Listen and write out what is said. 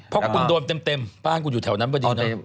เพราะว่าคุณโดนเต็มบ้านกูอยู่แถวนั้นไม่ดีเนอะ